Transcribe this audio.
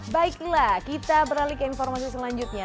baiklah kita beralih ke informasi selanjutnya